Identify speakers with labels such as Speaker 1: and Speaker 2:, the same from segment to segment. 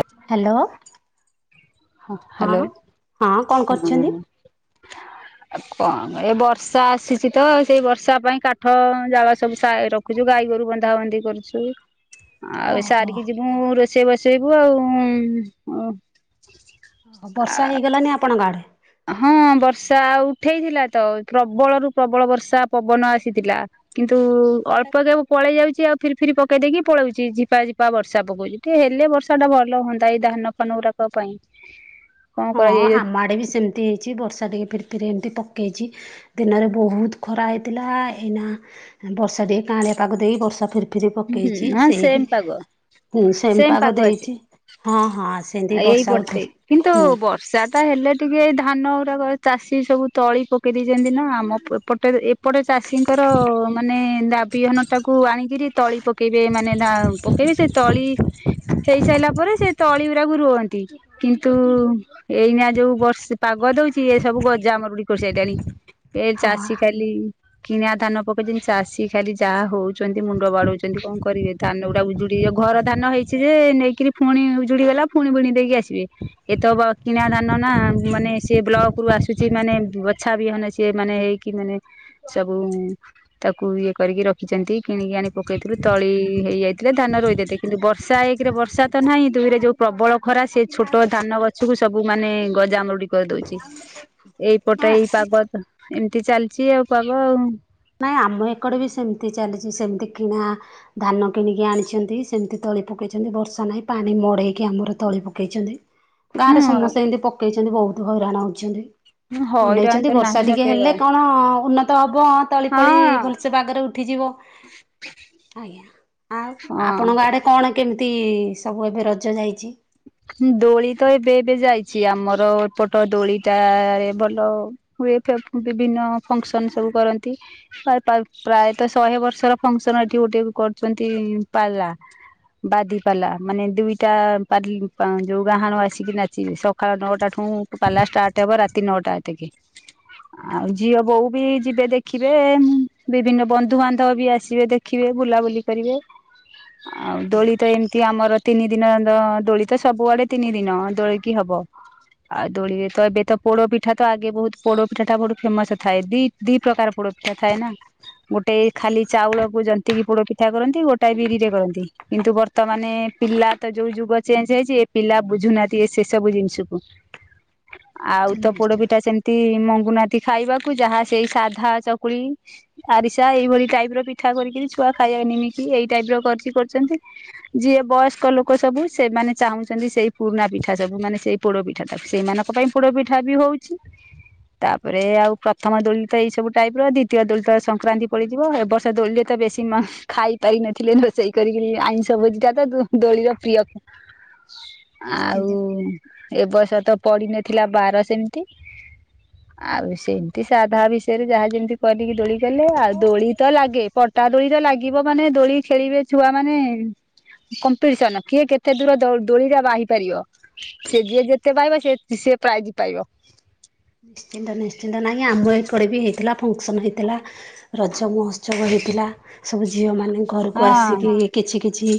Speaker 1: ଆଚ୍ଛ
Speaker 2: ହ୍ୟାଲୋ ହଁ
Speaker 1: ହ୍ୟାଲୋ
Speaker 2: ହଁ କଣ କରୁଛନ୍ତି?
Speaker 1: ଆଉ କଣ ଏ ବର୍ଷା ଆସିଛି ତ ସେଇ ବର୍ଷା ପାଇଁ କାଠ ଜାଳ ସବୁ ସା ରଖୁ ରଖୁଛୁ ଗାଈ ଗୋରୁ ବନ୍ଧା ବନ୍ଧି କରୁଛୁ। ଆଉ
Speaker 2: ଓହୋ
Speaker 1: ସାରିକି ଯିବୁ ରୋଷେଇ ବସେଇବୁ ଆଉ ଉଅ।
Speaker 2: ଓ ବର୍ଷା ହେଇଗଲାନି ଆପଣଙ୍କ ଆଡେ?
Speaker 1: ହଁ ବର୍ଷା ଆଉ ଉଠେଇଥିଲା ତ ପ୍ରବଳରୁୁ ପ୍ରବଳ ବର୍ଷା ପବନ ଆସିଥିଲା। କିନ୍ତୁ ଅଳ୍ପ କେ ପଳେଇ ଯାଉଛି ଆଉ ଫିରି ଫିରି ପକେଇ ଦେଇକି ପଳଉଛି ଝିପାଝିପା ବର୍ଷା ପକଉଛି ଟିକେ ହେଲେ ବର୍ଷା ଟା ଭଲ ହୁଅନ୍ତା ଏଇ ଧାନ ଫାନ ଗୁରାକ ପାଇଁ କଣ
Speaker 2: ହଁ
Speaker 1: କରାଯାଇ
Speaker 2: ଆମ ଆଡେ ବି ସେମତି ହେଇଛି ବର୍ଷା ଟିକେ ଫିରି ଫିରି ଏମିତି ପକେଇଛି ଦିନରେ ବହୁତ ଖରା ହେଇଥିଲା ଏଇନା ବର୍ଷା ଟିକେ କାଳିଆ ପାଗ ଦେଇ ବର୍ଷା ଫେରି ଫିର୍ ପକେଇଛି
Speaker 1: ହଁ
Speaker 2: ସେଇ ବି
Speaker 1: ସେମ ପାଗ
Speaker 2: ହୁ ସେଏମ୍
Speaker 1: ସେମ
Speaker 2: ପାଗ
Speaker 1: ଅଛି
Speaker 2: ଦେଇଛି ହଁ ହଁ ସେମିତି
Speaker 1: ଏଇ
Speaker 2: ବର୍ଷା
Speaker 1: ପଟେ
Speaker 2: ଉଠେ
Speaker 1: କିନ୍ତୁ
Speaker 2: ହୁଁ
Speaker 1: ବର୍ଷା ଟା ହେଲେ ଟିକେ ଧାନ ଗୁଡ଼ାକ ଚାଷୀ ସବୁ ତଳି ପକେଇ ଦେଇଛନ୍ତି ନା ଆମ ପ ପ ଏପଟେରେ ଏପଟେ ଚାଷୀଙ୍କର ମାନେ ଦାବିହନ ଟାକୁ ଆଣିକିରି ତଳି ପକେଇବେ ମାନେ ଧା ପକେଇବେ ସେ ତଳି ହେଇସାରିଲା ପରେ ସେ ତଳି ଗୁରାକୁ ରୁହନ୍ତି କିନ୍ତୁ ଏଇନା ଯୋଉ ବର୍ଷ ପାଗ ଦଉଛି ଏ ସବୁ ଗଜା ମରୁଡ଼ି କରିଶାରିଲାଣି। ଏ ଚାଷୀ
Speaker 2: ହଁ
Speaker 1: ଖାଲି କିଣା ଧାନ ପକେଇଛନ୍ତି ଚାଷୀ ଖାଲି ଯାହା ହଉଛନ୍ତି। ବଡ଼ଉଛନ୍ତି କଣ କରିବେ? ଧାନ ଉଡ଼ା ଉଜୁଡ଼ି ଜୀବ ଘର ଧାନ ହେଇଛି ଯେ ନେଇକିରି ଫୁଣି ଉଜୁଡ଼ି ଗଲା ଫୁଣି ଦେଇକି ଆସିବେ। ଏତ କିଣା ଧାନ ନା ମାନେ ସେ ବ୍ଲକ ରୁ ଆସୁଛି ମାନେ ବଛା ବିହନ ସିଏ ମାନେ ହେଇକି। କି ମାନେ ସବୁ ତାକୁ ଇଏ କରିକି ରଖିଛନ୍ତି କିଣିକି ଆଣି ପକେଇଥିଲୁ ତଳି ହେଇଯାଇଥିଲେ ଧାନ ରୋଇଦେଥିଲେ କିନ୍ତୁ ବର୍ଷା ଏକ ରେ ବର୍ଷା ତ ନାହିଁ ଦୁଇରେ ଯୋଉ ପ୍ରବଳ ଖରା ସେ ଛୋଟ ଧାନ ଗଛ କୁ ସବୁ ମାନେ ଗଜାମରୁଡ଼ି କରିଦଉଛି। ଏଇପଟେ ଏଇ ପାଗ ଏମିତି ଚାଲିଛି ଆଉ ପାଗ ଆଉ।
Speaker 2: ନାଇଁ ଆମ ଏକଡ଼େ ବି ସେମିତି ଚାଲିଛି ସେମିତି କିଣା ଧାନ କିଣିକି ଆଣିଛନ୍ତି ସେମିତି ତଳି ପକେଇଛନ୍ତି ବର୍ଷା ନାହିଁ ପାଣି ମଡ଼େଇକି ଆମର ତଳି ପକେଇଛନ୍ତି। ଗାଁ ରେ ସମସ୍ତେ
Speaker 1: ହୁଁ
Speaker 2: ଏମିତି ପକେଇଛନ୍ତି ବହୁତ ହଇରାଣ ହଉଛନ୍ତି।
Speaker 1: ହଇରାଣ
Speaker 2: ନେଇଛନ୍ତି
Speaker 1: ତ
Speaker 2: ବର୍ଷା
Speaker 1: ନାହିଁ ନ
Speaker 2: ଟିକେ
Speaker 1: କେଇବା
Speaker 2: ହେଲେ କଣ ଉନ୍ନତ ହବ। ତଳି ଫଳି
Speaker 1: ହଁ।
Speaker 2: ଭଲସେ ବାଗରେ ଉଠିଯିବ ଆଜ୍ଞା ଆଉ
Speaker 1: ହଁ
Speaker 2: ଆପଣଙ୍କ ଆଡ଼େ କଣ କେମିତି ସବୁ ଏବେ ରଜ ଯାଇଛି?
Speaker 1: ଦୋଳି ତ ଏବେ ଏବେ ଯାଇଛି ଆମର ଏପଟ ଦୋଳିଟାରେ ଭଲ ହୁଏ ଫେ ବିଭିନ୍ନ ଫଙ୍କସନ ସବୁ କରନ୍ତି। ପ୍ରାୟତଃ ଶହେ ବର୍ଷର ଫଙ୍କସନ ଏଠି ଗୋଟେ କରୁଛନ୍ତି ପାଲା। ବାଦିପାଲା ମାନେ ଦୁଇଟା ପାଲ ପା ଯଉଁ ଗାହାଣ ଆସିକି ନାଚିବେ ସଖାଳ ନଅଟା ଠୁଁ ପାଲା ଷ୍ଟାର୍ଟ ହେବ ରାତି ନଅଟା ଆତେକେ।
Speaker 2: ହ
Speaker 1: ଆଉ ଝିଅ ବୋଉ ବି ଯିବେ ଦେଖିବେ ବିଭିନ୍ନ ବନ୍ଧୁବାନ୍ଧବ ବି ଆସିବେ ଦେ ଖିବେ ବୁଲାବୁଲି କରିବେ। ଆଉ ଦୋଳି ତ ଏମତି ଆମର ତିନି ଦିନର ଦୋଳି ତ ସବୁଆଡ଼େ ତିନି ଦିନ ଦୋଳିିକି ହବ। ଆଉ ଦୋଳିରେ ତ ଏବେ ତ ପୋଡ଼ପିଠା ତ ଆଗେ ବହୁତ ପୋଡ଼ ପିଠା ଟା ବହୁତ ଫେମସ ଥାଏ ଦି ଦିଇ ପ୍ରକାର ପୋଡ଼ପିଠା ଥାଏ ନା। ଗୋଟେ ଖାଲି ଚାଉଳକୁ ଜନ୍ତିକି ପୋଡ଼ ପିଠା କରନ୍ତି ଗୋଟାଏ ବିରିରେ କରନ୍ତି। କିନ୍ତୁ ବର୍ତ୍ତମାନେ ପିଲା ତ ଯୋଉ ଯୁଗ ଅ ଚେଞ୍ଜ ହେଇଛି ଏ ପିଲା ବୁଝୁନାହାନ୍ତି ଏ ସେ ସବୁ ଜିନିଷକୁ। ଆଉ ତ
Speaker 2: ନିଶ୍ଚିନ୍ତ
Speaker 1: ପୋଡ଼
Speaker 2: ନିଶ୍ଚିନ୍ତ
Speaker 1: ପିଠା ସେମତି ମଙ୍ଗୁନାହାନ୍ତି ଖାଇବାକୁ ଯାହା ସେଇ ସାଧା ଚକୁଳି। ଆରିସା ଏଇଭଳି ଟାଇପ୍ ର ପିଠା କରିକିରି ଛୁଆ ଖାଇବା ନିମିକିି ଏଇ ଟାଇପ୍ ର କରଛି କରୁଛନ୍ତି। ଯିଏ ବୟସ୍କ ଲୋକ ସବୁ ସେମାନେ ଚାହୁଁଛନ୍ତି ସେଇ ପୁରୁଣା ପିଠା ସବୁ ମାନେ ସେଇ ପୋଡ଼ ପିଠା ଟାକୁ ସେଇମାନଙ୍କ ପାଇଁ ପୋଡ଼ ପିଠା ବି ହଉଛି। ତାପରେ
Speaker 2: ଆଜ୍ଞା
Speaker 1: ଆଉ ପ୍ରଥମ ଦୋଲ ତ ଏଇ ସବୁ ଟାଇପ୍ ର ଦ୍ଵୀତୀୟ ଦୋଳି ତ ସଂକ୍ରାନ୍ତି ପଡ଼ିଯିବ ଏ ବର୍ଷ ଦୋଳିରେ ତ ବେଶୀ ମ ଖାଇ ପାଇ ନଥିଲେ ରୋଷେଇ କରିକିରି ଆଇଁଶ ଭୋଜିଟାତ ଦୋ ଦୋଳିର ପ୍ରିୟ।
Speaker 2: ନିଶ୍ଚିନ୍ତ
Speaker 1: ଆଉ ଏବର୍ଷ ତ ପଡ଼ିନଥିଲା ବାର ସେମିତି। ଆଉ
Speaker 2: ଆଜ୍ଞା
Speaker 1: ସେମିତି ସାଧା ବିଷୟରେ ଯାହା ଯେମିତି କରିକି ଦୋଳି କଲେ ଆଉ ଦୋଳି ତ ଲାଗେ ପଟା ଦୋଳି ତ ଲାଗିବ ମାନେ ଦୋଳି ଖେଳିବେ ଛୁଆ ମାନେ‌। କମ୍ପିଟିସନ କିଏ କେ ଏତେ ଦୂର ଦୋଳିଟା ବାହିପାରିବ ସେ ଯିଏ ଯେତେ ବାହିବ ସେ ସେ ପ୍ରାଇଜ ପାଇବ‌।
Speaker 2: ନିଶ୍ଚିନ୍ତ ନିଶ୍ଚିନ୍ତ ନାଇଁ ଆମ ଏପଟେ ବି ହେଇଥିଲା ଫଙ୍କସନ୍ ହେଇଥିଲା। ରଜ ମହୋତ୍ସବ ହେଇଥିଲା ସବୁ ଝିଅମାନେ ଘରକୁ
Speaker 1: ହଁ
Speaker 2: ଆସିକି କିଛି କିଛି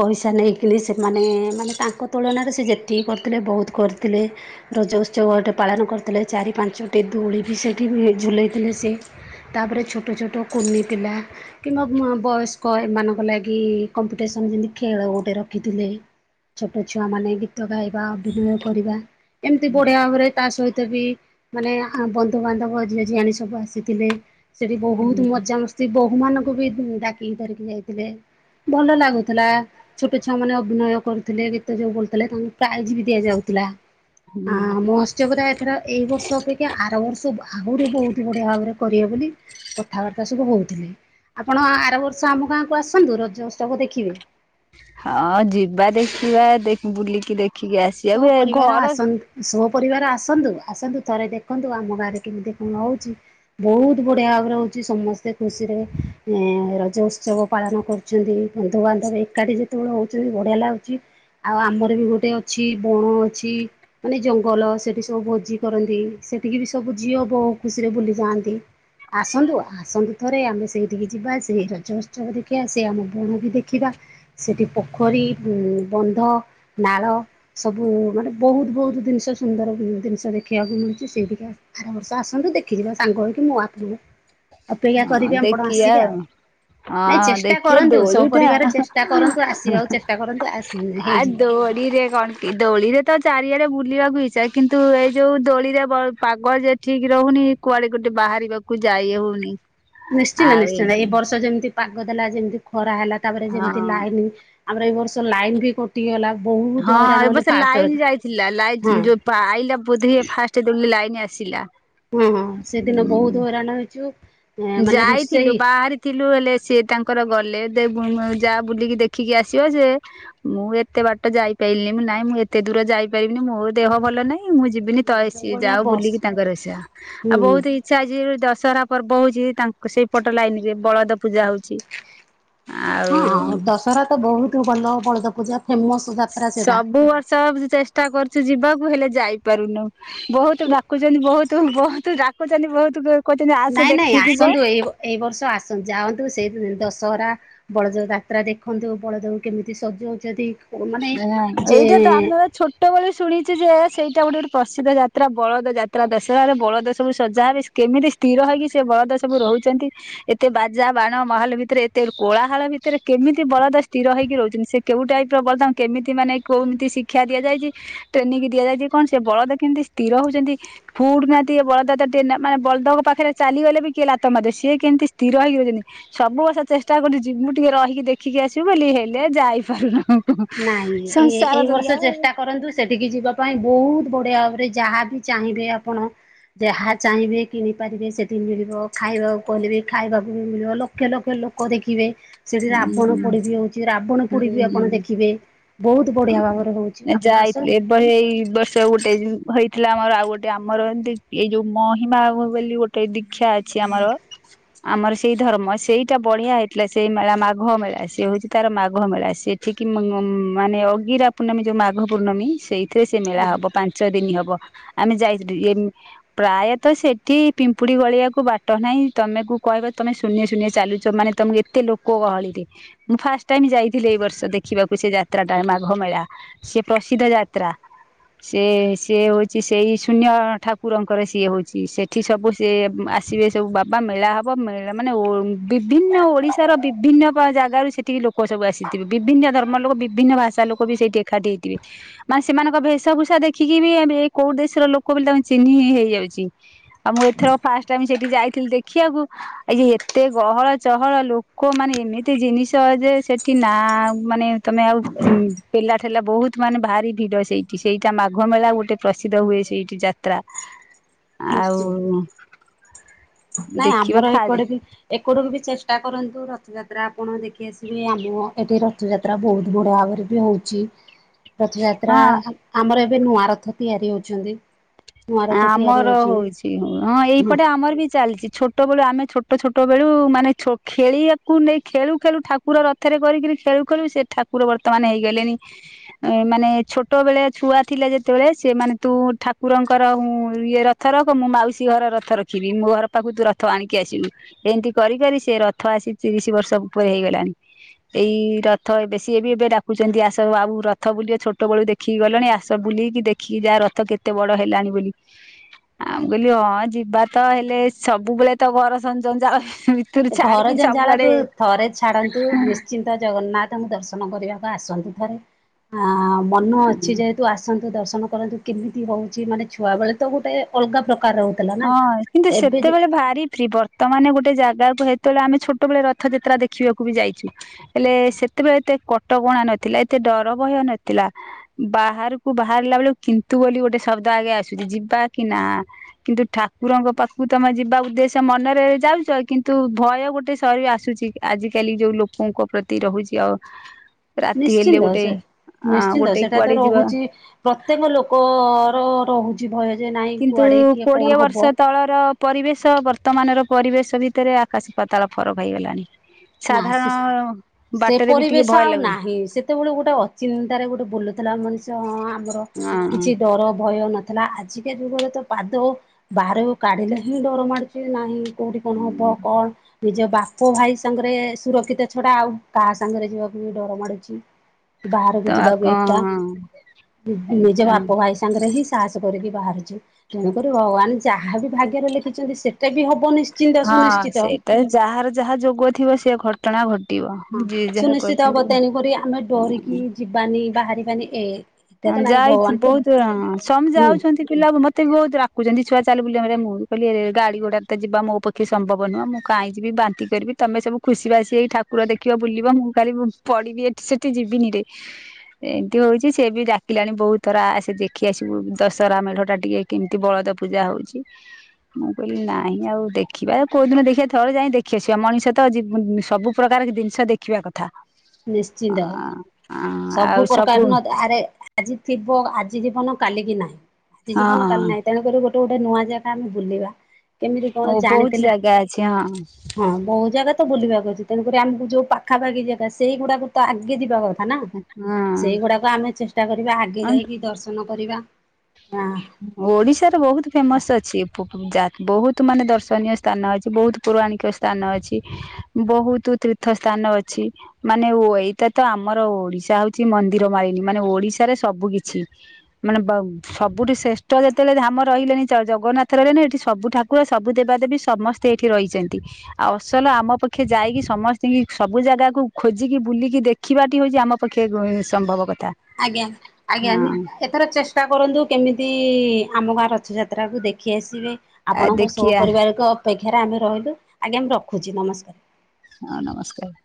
Speaker 2: ପଇସା ନେଇକିନି ସେମାନେ ମାନେ ତାଙ୍କ ତୁଳନାରେ ସେ ଯେତିକି କରିଥିଲେ ବହୁତ କରିଥିଲେ। ରଜ ଉତ୍ସବଟେ ପାଳନ କରିଥିଲେ ଚାରି ପାଞ୍ଚଟି ଦୋଳି ବି ସେଇଠି ଝୁଲେଇଥିଲେ ସେ‌‌ ତାପରେ ଛୋଟ ଛୋଟ କୁନି ପିଲା। କିମ୍ବା ବୟସ୍କ ଏମାନଙ୍କ ଲାଗି କମ୍ପିଟିସନ ଯେମତି ଖେଳ ଗୋଟେ ରଖିଥିଲେ। ଛୋଟ ଛୁଆ ମାନେ ଗୀତ ଗାଇବା ଅଭିନୟ କରିବା ଏମତି ବଢିଆ ଭାବରେ ତା ସହିତ ବି‌ ମାନେ ବନ୍ଧୁବାନ୍ଧବ ଝିଅଝି ଆଣ ସବୁ ଆସିଥିଲେ। ସେଠି ବହୁତ ମଜା ମସ ତି ସେ ବୋହୂ ମାନଙ୍କୁ ବି ଡାକିକି ଧରିକି ଯାଇଥିଲେ। ଭଲ ଲାଗୁଥିଲା। ଛୋଟ ଛୁଆ ମାନେ ଅଭିନୟ କରୁଥିଲେ। ଗୀତ ଯୋଉ ବଲୁଥିଲେ ତାଙ୍କୁ ପ୍ରାଇଜ ବି ଦିଆଯାଉଥିଲା। ହଁ
Speaker 1: ହୁଁ
Speaker 2: ମୋହସ୍ରବ ଏଥର ଏଇ ବର୍ଷ ଅପେକ୍ଷା ଆର ବର୍ଷ ଆହୁରି ବହୁତ ବଢ଼ିଆ ଭାବରେ କରିବେ ବୋଲି‌ କଥାବାର୍ତ୍ତା ସବୁ ହଉଥିଲେ। ଆପଣ ଆର ବର୍ଷ ଆମ ଗାଁକୁ ଆସନ୍ତୁ ରଜ ଉତ୍ସବ ଦେଖିବେ‌।
Speaker 1: ହଁ ଯିବା ଦେଖିବା ବୁଲିକି ଦେଖିକି ଆସିବା ବେ ଘର
Speaker 2: ସ ପରିବାର ଆସନ୍ତୁ ଆସନ୍ତୁ ଥରେ ଦେଖନ୍ତୁ ଆମ ଗାଁରେ କେମିତି କଣ ହଉଚି? ବହୁତ ବଢିଆ ଭାବରେ ହଉଚି। ସମସ୍ତେ ଖୁସିରେ ଏ ରଜ ଉତ୍ସବ ପାଳନ କରୁ ଚନ୍ତି, ବନ୍ଧୁବାନ୍ଧବ ଏକାଠି ଯେତେବେଳେ ହଉଚନ୍ତି ବଢିଆ ଲାଗୁଛି ଆଉ ଆମର ବି ଗୋଟେ ଛି ବଣ ଅଛି। ମାନେ ଜଙ୍ଗଲ ସେଠି ସବୁ ଭୋଜି କରନ୍ତି। ସେଠିକି ବି ସବୁ ଝିଅ ବହୁ ଖୁସିରେ ବୁଲି ଯାଆନ୍ତି। ଆସନ୍ତୁ ଆସନ୍ତୁ ଥରେ ଆମେ ସେଇଠିକି ଯିବା ସେଇ ରଜ ଉତ୍ସବ ଦେଖିବା।। ସେ ଆମ ବଣ ବି ଦେଖିବା‌। ସେଠି ପୋଖରୀ ବନ୍ଧ ନାଳ। ସବୁ ମାନେ ବହୁତ ବହୁତ ଜିନିଷ ସୁନ୍ଦର ଜିନିଷ ଦେଖିବାକୁ ମିଳୁଚି ସେଇଥିପାଇଁ। ଆର ବର୍ଷ ଆସନ୍ତୁ ଦେଖିଯିବ ସାଙ୍ଗ ହେଇ କି ମୁଁ ଆପଣଙ୍କୁ ଅପେକ୍ଷା
Speaker 1: ହଁ
Speaker 2: କରିବି ଆପଣ
Speaker 1: ଦେଖିବା
Speaker 2: ଆସିବେ ଆଉ। ନାଇଁ
Speaker 1: ହଁ
Speaker 2: ଚେଷ୍ଟା
Speaker 1: ଦେଖିବା
Speaker 2: କରନ୍ତୁ ସ ପରିବାର ଚେଷ୍ଟା
Speaker 1: ଦୋଳିଟା
Speaker 2: କରନ୍ତୁ ଆସିବାକୁ ଚେଷ୍ଟା କରନ୍ତୁ। ଆସି
Speaker 1: ଆ
Speaker 2: ହେଇଯିବ।
Speaker 1: ଦୋଳିରେ କଣ ଦୋଳିରେ ତ ଚାରିଆଡେ ବୁଲିବାକୁ ଇଚ୍ଛା କିନ୍ତୁ ଏଇ ଯୋଉ ଦୋଳିରେ ବ ପାଗ ଜେ ଠିକ ରହୁନି। କୁଆଡେ ଗୋଟେ ବାହାରିବାକୁ ଯାଇ ହଉନି।
Speaker 2: ନିଶ୍ଚିନ୍ତ
Speaker 1: ଆଉ
Speaker 2: ନିଶ୍ଚିନ୍ତ
Speaker 1: ଏମତି
Speaker 2: ଏ ବର୍ଷ ଯେମିତି ପାଗ ଦେଲା, ଯେମିତି ଖରା ହେଲା ତାପରେ
Speaker 1: ହଁ
Speaker 2: ଯେମିତି ଲାଇନ ଆମର ଏଇ ବର୍ଷ ଲାଇନ ବି କଟିଗଲା। ବହୁତ
Speaker 1: ହଁ
Speaker 2: ହଇରାଣ
Speaker 1: ଏବେ
Speaker 2: ହେଲୁ
Speaker 1: ସେ
Speaker 2: ଫାଷ୍ଟ
Speaker 1: ଲାଇନ ଯାଇଥିଲା ଲାଇଟ
Speaker 2: ରଜରେ ହଁ।
Speaker 1: ଯୋଉ ଆଇଲା ବୋଧି ଫାଷ୍ଟ ଦିନ ଲାଇନ ଆସିଲା଼।
Speaker 2: ହଁ ହଁ ସେଦିନ ବହୁତ ହଇରାଣ ହେଇଚୁ।
Speaker 1: ଯାଇଥିଲୁ ବାହାରି ଥିଲୁ ହେଲେ ସିଏ ତାଙ୍କର ଗଲେ। ଦେବୁ ଯା ବୁଲିକି ଦେଖିକି ଆସିବ ଯେ ମୁଁ ଏତେ ବାଟ ଯାଇପାରିଲିନି ମୁଁ ନାଇଁ ମୁଁ ଏତେ ଦୂର ଯାଇପାରିବିନି ମୋ ଦେହ ଭଲ ନାହିଁ ମୁଁ ଯିବିନି ତ
Speaker 2: ଯୋଉ
Speaker 1: ସିଏ
Speaker 2: ଭଳିଆ
Speaker 1: ଯାଉ
Speaker 2: ବର୍ଷ
Speaker 1: ବୁଲିକି ତାଙ୍କର ଇଆ ଆଉ
Speaker 2: ହୁଁ
Speaker 1: ବହୁତ ଇଚ୍ଛା ଅଛି ଦଶହରା ପର୍ବ ହଉ ଯେ ତାଙ୍କ ସେଇ ପଟ ଲାଇନ ରେ ବଳଦ ପୂଜା ହଉଚି।
Speaker 2: ହଁଉ ଦଶହରା ତ ବହୁତ ଭଲ ବଳଦ ପୂଜା ଫେମସ‌‌।
Speaker 1: ସବୁ ବର୍ଷ ଚେଷ୍ଟା କରୁଚି ଯିବାକୁ ହେଲେ ଯାଇପାରୁନୁ। ବହୁତ ଡାକୁଚନ୍ତି ବହୁତ ବହୁତ ଡାକୁଚନ୍ତି ବହୁତ କଉଚନ୍ତି ଆସେ ଦେଖିକି ଜିବୁ।
Speaker 2: ଏ ବର୍ଷ ଆସ ଯାଆନ୍ତୁ ସେଇ ଦଶହରା‌ ବଳଦେବ ଯାତ୍ରା ଦେଖନ୍ତୁ ବଳଦକୁ କେମିତି ସଜଉଚନ୍ତି।
Speaker 1: ହଁ ଏଇଟା ତ ଆମର ଛୋଟ୍ ଟ ବେଳେ ଶୁଣିଚି ଯେ ସେଇଟା ଗୋଟେ ଗୋଟେ ପ୍ରସିଦ୍ଧ ଯାତ୍ରା ବଳଦ ଯାତ୍ରା ଦଶରାରେ ବଳଦ ସବୁ ସଜା ହେବ। କେମିତି‌ ସ୍ଥିର ହେଇକି ସେ ବଳଦ ସବୁ ରହୁଚନ୍ତି। ଏତେ ବାଜା ବାଣ ମହଲ ଭିତରେ ଏତେ କୋଳାହାଳ ଭିତରେ କେମିତି ବଳଦ ସ୍ଥିର ହେଇକି ରହୁଚନ୍ତି? ସେ କେଉଟାଇପ ପ୍ରବର୍ତ୍ତମାନ କେମିତି ମାନେ କଉମିତି ଶିକ୍ଷା ଦିଆଯାଇ ଟ୍ରେନିଂ ଦିଆଯାଇଚି କଣ ସେ ବଳଦ କେମିତି ସ୍ଥିର ହଉଚନ୍ତି? ଫୁଡୁ ନାହାନ୍ତି ବଳଦ ତ ଟେ ମାନେ ବଳଦଙ୍କ ପାଖରେ ଚାଲିଗଲେ ବି କିଏ ଲାତ ମାରିବ ସିଏ କେମିତି ସ୍ଥିର ହେଇରହୁଚନ୍ତି। ସବୁ ବର୍ଷ ଚେଷ୍ଟା କରୁଚି ମୁଁ ଟିକେ ରହିକି ଦେଖିକି ଆସିବି ବୋଲି ହେଲେ ଯାଇ ପାରୁନାହୁଁ।
Speaker 2: ନାଇଁ ଏ- ଏଇ ବର୍ଷ ଚେଷ୍ଟା କରନ୍ତୁ। ତସେଠିକି ଯିବା ପାଇଁ ବହୁତ ବଢ଼ିଆ ଭାବରେ ଯାହା ବି ଚାହିଁବେ ଆପଣ ଯାହା ଚାହିଁବେ କିଣିପାରିବେ ସେଠି ମିଳିବ। ଖାଇବାକୁ କହିଲେ ବି ଖାଇବାକୁ ବି ମିଳିବ। ଲୋକ ଲକ୍ଷେ ଲକ୍ଷେ ଲୋକ ଦେଖିବେ। ସେଠି ରାବଣ
Speaker 1: ହୁଁ
Speaker 2: ପୋଡ଼ି ବି ହଉଚି, ରାବଣ ପୋଡ଼ି ବି ଆପଣ ଦେଖ
Speaker 1: ହୁଁ।
Speaker 2: ଖିବେ ବହୁତ ବଢିଆ ଭାବରେ ହଉଚି। ଆପଣ ଆସନ୍ତୁ।
Speaker 1: କ ଏଇ ବ ସ ଗୋଟେ ହେଇଥିଲା ଆମର ଆଉ ଗୋଟେ ଆମର ଏମିତି ଏଇ ଯୋଉ ମହିମା ବୋଲି ଗୋଟେ ଗୋଟେ ଦୀକ୍ଷା ଅଛି ଆମର ଆମର ସେଇ ଧର୍ମ ସେଇଟା ବଢିଆ ହେଇଥିଲା ସେ ସେଇ ମେଳା ମାଘ ମେଳା ସେ ହଉଛି ତାର ମାଘ ମେଳା ସେଠିକି ମ୍ ମାନେ ଅଗିରା ପୂର୍ଣ୍ଣମୀ ଯୋଉ ମାଘ ପୂର୍ଣ୍ଣମୀ ସେଇଥିରେ ସେ ମେଳା
Speaker 2: ଆଜ୍ଞା
Speaker 1: ହବ ପାଞ୍ଚ ଦିନ ହବ। ଆମେ ଯାଇଥିଲୁ ଇଏ ପ୍ରାୟତ ସେଠି ପିମ୍ପୁଡି ଗଳିବାକୁ ବାଟ ନାହିଁ। ତମେ କୁ କହିବ ତମେ ଶୁନ୍ୟ ଶୁନ୍ୟ ଚାଲୁ ଚ ମାନେ ତମକୁ ଏତେ ଲୋକ ଗହଳିରେ ମୁଁ ଫାଷ୍ଟ ଟାଇମ ଯାଇଥିଲି ଏଇ ବର୍ଷ ଦେଖିବାକୁ ସେ ଯାତ୍ରା ଟା ମାଘ ମେଳା। ସେ ପ୍ରସିଦ୍ଧ ଯାତ୍ରା। ସେ ସିଏ ହଉଛି ସେଇ ଶୂନ୍ୟ ଠାକୁରଙ୍କର ସିଏ ହଉଛି ସେଠି ସବୁ ସେ ମ ଆସିବେ ସବୁ ବାବା ମେଳା ହବ ମେଳା ମାନେ ଓ ବିଭିନ୍ନ ଓଡିଶା ଓଡ଼ିଶାର ବିଭିନ୍ନ ପ ଜାଗାରୁ ସେଠିକି ଲୋକ ସବୁ ଆସିଥିବେ ବିଭିନ୍ନ ଧର୍ମ ଲୋକ ବିଭିନ୍ନ ଭାଷା ଲୋକ ବି ସେଇଠି ଏକାଠି ହେଇଥିବେ। ମାନେ ସେମାନଙ୍କ ଭେଷଭୂଷା ଦେଖିକି ବି ଏ କୋଉ ଦେଶର ଲୋକ ବୋଲିକି ତାଙ୍କୁ ଚିହ୍ନି ହିଁ ହେଇଯାଉଛି। ଆଉ ମୁଁ ଏଥର ଫାଷ୍ଟ ଟାଇମ ସେଇଠି ଯାଇଥିଲି ଦେଖିବାକୁ ଏଇ ଯେ ଏତେ ଗହଳ ଚହଳ ଲୋ କ ମାନେ ଏମିତି ଜିନିଷ ଯେ ସେଠି ନା ମାନେ ତମେ ଆଉ ପେଲା ଠେଲା ବହୁତ ମାନେ ଭାରି ଭିଡ ସେଇଠି ସେଇଟା ମାଘ ମେଳା ଗୋଟେ ପ୍ରସିଦ୍ଧ ହୁଏ ସେଇଠି ଯାତ୍ରା।
Speaker 2: ନିଶ୍ଚୟ
Speaker 1: ଆଉ
Speaker 2: ନାଇଁ
Speaker 1: ଦେଖିବା
Speaker 2: ଆମର ଏ
Speaker 1: ଖାରେ
Speaker 2: କୁଆଡେ ବି ଏକୁରୁ କୁ ବି ଚେଷ୍ଟା କରନ୍ତୁ ରଥଯାତ୍ରା ଆପଣ ଦେଖି ଆସିବେ। ଆମ ଏଠି ରଥଯାତ୍ରା ତ୍ରା ବହୁତ ବଢିଆ ଭାବରେ ବି ହଉଛି। ରଥଯାତ୍ରା
Speaker 1: ହଁ
Speaker 2: ଆ ଆମର ଏବେ ନୂଆ ରଥ ତିଆରି ହଉଛନ୍ତି। ନୂଆ ରଥ ତିଆରି
Speaker 1: ଆମର
Speaker 2: ହେଉଛନ୍ତି।
Speaker 1: ହଉଛି ହଁ ଏଇପଟେ ଆମର ବି ଚାଲିଛି ଛୋଟ ଟ ବେଳୁ ଆମେ ଛୋଟ ଛୋଟ ବେଳୁ ମାନେ ଛୋ ଖେଳିବାକୁ ନେଇ ଖେଳୁ ଖେଳୁ ଠାକୁର ରଥ ଥେରେ କରିକିରି ଖେଳୁ ଖେଳୁ ସେ ଠାକୁର ବର୍ତ୍ତମାନ ହେଇଗଲେଣିି ଏ ମାନେ ଛୋଟ ବେଳେ ଛୁଆ ଥିଲା ଯେତେବେଳେ ସେମାନେ ତୁ ଠାକୁରଙ୍କ କର ଉଁ ଇଏ ରଥ ରଖ ମୁଁ ମାଉସୀ ଘର ରଥ ରଖିବି। ମୋ ଘର ପାଖକୁ ତୁ ରଥ ଆଣିକି ଆସିବୁ। ଏମିତି କରି କରି ସେ ରଥ ଆସି ତିରିଶ ବର୍ଷ ଉପରେ ହେଇଗଲାଣି। ଏଇ ରଥ ଏବେ ସିଏବି ଏବେ ଡାକୁଛନ୍ତି ଆସ ଆଉ ରଥ ବୁଲିବେ ଛୋଟ ବେଳୁ ଦେଖ ଦେଖିକି ଗଲେଣି ଆସ ବୁଲିକି ଦେଖିକି ଯାହା ରଥ କେତେ ବଡ ହେଲାଣି ବୋଲି। ଆ ମୁ କହିଲି ହଁ ଯିବା ତ ହେଲେ ସବୁବେଳେ ତ ଘର ସ ଜଂଜାଳ ଭି
Speaker 2: ଏ ଘର ଜଂଜାଳ କୁ ଥରେ ଛାଡନ୍ତୁ ନିସ୍ ଶ୍ଚିନ୍ତ ଜଗନ୍ନାଥଙ୍କୁ ଦର୍ଶନ କରିବାକୁ ଆସନ୍ତୁ ଥରେ ମନ ଅଛି ଯେହେ ନ୍ତୁ ଆସନ୍ତୁ ଦର୍ଶନ କରନ୍ତୁ କେମିତି ହଉଛି ମାନେ ଛୁଆବେେଳେ ତ ଗୋଟେ ଅଲଗା ପ୍ରକାର ହଉ
Speaker 1: ହଁ କିନ୍ତୁ ସେତେବେଳେ ଭାରି ଫ୍ରି ବର୍ ତ ମାନେ ଗୋଟେ ଜାଗାକୁ ହେତେବେଳେ ଆମେ ଛୋଟବେଳେ ରଥଯାତ୍ରା ଦେଖିବାକୁ ବି ଯାଇଛୁ ହେଲେ ସେତେବେଳେ ଏତେ କଟକଣା ନଥିଲା ଏତେ ଡର ଭୟ ନଥିଲା। ବାହାରକୁ ବାହାରିଲା ବେଳକୁ କିନ୍ତୁ ବୋଲି ଗୋଟେ ଶବ୍ଦ ଆଗେ ଆସୁଛି ଯିବା କି ନା। କିନ୍ତୁ ଠାକୁରଙ୍କ ପାଖକୁ ତମେ ଯିବା ଉଦ୍ଦେଶ୍ୟ ମନରେ ଯାଉଛ କିନ୍ତୁ ଭୟ ଗୋଟେ ସରିରେ ଆସୁଛି। ଆଜିକାଲି ଯୋଉ ଲୋକଙ୍କ ପ୍ରତି ରହୁଛି ଆଉ ରାତି ହେଲେ
Speaker 2: ନିଶ୍ଚିନ୍ତ
Speaker 1: ଗୋଟେ
Speaker 2: ସେ
Speaker 1: ଆ
Speaker 2: ନିଶ୍ଚିନ୍ତ
Speaker 1: ଗୋଟେ
Speaker 2: ସେଟା ତ
Speaker 1: କୁଆଡେ ଯିବା
Speaker 2: ରହୁଛି ପ୍ରତ୍ୟେକ ଲୋକର ରହୁଛି ଭୟ ଯେ ନାଇଁ
Speaker 1: କିନ୍ତୁ
Speaker 2: କୁଆଡ଼େ କିଏ
Speaker 1: କୋଡିଏ
Speaker 2: କଣ
Speaker 1: ବର୍ଷ
Speaker 2: ହବ।
Speaker 1: ତଳର ପରିବେଶ ବର୍ତ୍ତମାନର ପରିବେଶ ଭିତରେ ଆକାଶ ପତାଳ ଫରକ ହେଇଗଲାଣି।
Speaker 2: ନା ସେ
Speaker 1: ସାଧାରଣ
Speaker 2: ସେ
Speaker 1: ବାଟରେ ବି ଟିକେ
Speaker 2: ପରିବେଶ
Speaker 1: ଭୟ
Speaker 2: ଆଉ
Speaker 1: ଲାଗୁଚି।
Speaker 2: ନାହିଁ ସେତେବେଳେ ଗୋଟେ ଅଚିନ୍ତାରେ ଗୋଟେ ବୁଲୁଥିଲା ମଣିଷ। ହଁ ଆମର
Speaker 1: ହଁ
Speaker 2: କିଛି ଡର ଭୟ ନଥିଲା ଆଜିକା ଯୁଗରେ ତ ପାଦ ବାହରକୁ କାଢିଲେ ହିଁ ଡର ମାଡୁଛି ନାହିଁ କୋଉଠି କଣ ହବ କଣ ନିଜ ବାପ ଭାଇ ସାଙ୍ଗରେ ସୁରକ୍ଷିତ ଛଡା ଆଉ କାହା ସାଙ୍ଗରେ ଯିବାକୁ ବି ଡର ମାଡୁଛି।
Speaker 1: ତ
Speaker 2: ବାହାରକୁ
Speaker 1: ଆଉ
Speaker 2: ଯିବାକୁ
Speaker 1: କଣ
Speaker 2: ଏକା। ନିଜ
Speaker 1: ଏଇଟା
Speaker 2: ବାପ ଭାଇ ସାଙ୍ଗରେ ହିଁ ସାହସ କରିକି ବାହାରୁଛୁ। ତେଣୁକରି ଭଗବାନ ଯାହାବି ଭାଗ୍ୟରେ ଲେଖିଛନ୍ତି ସେଟା ବି ହବ ନିଶ୍
Speaker 1: ହଁ ସେଇଟା ଯାହାର ଯାହା ଯୋଗ ଥିବ ସେୟା ଘ ଘଟଣା ଘଟିବ
Speaker 2: ହଁ
Speaker 1: ଯିଏ ଯାହା କରିଚନ୍ତି [unintelligible]
Speaker 2: ଯିବାନୀ ବାହାରିବାନି ଏ ଏଟା
Speaker 1: ହଁ
Speaker 2: ତ ନାଇଁ ଭଗବାନ
Speaker 1: ଯାଇଥିଲୁ
Speaker 2: ତ
Speaker 1: ବହୁତ ସମ୍
Speaker 2: ହୁଁ
Speaker 1: ଯାଉଛନ୍ତି। ପିଲା ବି ମତେ ବି ବହୁତ୍ [unintelligible] ଛୁଆ ଚାଲ୍ ବୁଲିଆ ମୁଁ କହିଲି ଗାଡ଼ି ଘୋଡ଼ାରେ ତ ଯିବା ମୋ ପ କିଛି ସମ୍ଭବ ନୁହଁ ମୁଁ କାଇଁ ଯିବି ବାନ୍ତି କରିବି, ତମେ ସବୁ ଖୁସି ବାସି ହେଇ ଠାକୁର ଦେଖିବ ବୁଲିବ ମୁଁ ଖାଲି ପଡିବି ଏଠି ସେଠି ଯିବିନିରେ ଏମିତି ହଉଛି। ସେ ବି ଡାକିଲାଣି ବହୁତ୍ ଥର ଆସେ ଦେଖି ଆସିବୁ ଦଶହରା ମେଢ ଟା ଟିକେ କେମ୍ତି ବଳଦ ପୂଜା ହଉଚି। ମୁଁ କହିଲି ନାଇଁ ଆଉ ଦେଖିବା ଆଉ କୋଉ ଦିନ ଦେଖିଆ ଥରେ ଯାଇଁ ଦେଖିଆସିବା ମଣିଷ ତ ସବୁ ପ୍ରକାର ଜିନିଷ ଦେଖିବା କଥା।
Speaker 2: ନିଶ୍ଚିନ୍ତ
Speaker 1: ଆ ଆଉ
Speaker 2: ସବୁ ପ୍ରକାର ନ ଦେ ଆରେ ଆଜି ଥିବ ଆଜି ଜୀବନ କାଲି କି ନାହିଁ ଆଜି ଜୀବନ
Speaker 1: ହଁ
Speaker 2: କାଲି ନାହିଁ। ତେଣୁକରି ଗୋଟେ-ଗୋଟେ ନୂଆ ଜାଗା ଆମେ ବୁଲିବା କେମିତି
Speaker 1: ଓ
Speaker 2: କଣ
Speaker 1: ବହୁତ
Speaker 2: ଜାଣିଥେଲେ
Speaker 1: ଜାଗା ଅଛି ହଁ
Speaker 2: ହଁ ବହୁ ଜାଗା ତ ବୁଲିବାକୁ ଅଛି, ତେଣୁକରି ଆମକୁ ଯୋଉ ପାଖାପାଖି ଜେଗା ସେଇଗୁଡାକୁ ତ ଆଗେ ଯିବା କ ଥା ନା ସେଇଗୁଡାକ ଆମେ ଚେଷ୍ଟା କରିବା ଆଗେ
Speaker 1: ହଁ
Speaker 2: ଯାଇକି ଦର୍ଶନ କରିବା।
Speaker 1: ଓଡିଶାରେ ବହୁତ୍ ଫେମସ୍ ଅଛି, ବହୁତ୍ ମାନେ ଦର୍ଶନୀୟ ସ୍ଥାନ ଅଛି ବହୁତ୍ ପୌରାଣିକ ସ୍ଥାନ ଅଛି ବହୁତ ତୀର୍ଥ ସ୍ଥାନ ଅଛି। ମାନେ ଓ ଏଇଟା ତ ଆମର ଓଡିଶା ହଉଛି ମନ୍ଦିରମାଳିନୀ ମାନେ ଓଡିଶାରେ ସବୁକିଛି। ମାନେ ବାଉ ସବୁଠୁ ଶ୍ରେଷ୍ଠ ଯେତେବେଳେ ଧାମ ରହିଲେନି ଜଗନ୍ନାଥ ରହିଲନି ଏଠି ସବୁ ଠାକୁର ସବୁ ଦେବାଦେବୀ ସମସ୍ ସ୍ତେ ଏଇଠି ରହିଚନ୍ତି। ଆଉ ଅସଲ ଆମ ପକ୍ଷେ ଯାଇକି ସମସ୍ତିଙ୍କି ସବୁ ଜାଗାକୁ ଖୋଜିକି ବୁଲିକି ଦେ ଖିବାଟି ହଉଛି ଆମ ପକ୍ଷେ ସମ୍ଭବ କଥା। ହଁ
Speaker 2: ଆଜ୍ଞା-ଆଜ୍ଞା। ଏଥର ଚେଷ୍ଟା କରନ୍ତୁ କେମିତି ଆମ ଗାଁ ରଥଯାତ୍ରାକୁୁ ଦେଖି ଆସିବେ।
Speaker 1: ଆ
Speaker 2: ଆପଣଙ୍କ [unintelligible]
Speaker 1: ଦେଖିଆ
Speaker 2: ପରିବାରକୁ ଅପେକ୍ଷାରେ ଆମେ ରହିଲୁ, ଆଜ୍ଞା ମୁ ରଖୁଚି ନମସ୍କାର୍।
Speaker 1: ହଁ ନମସ୍କାର୍।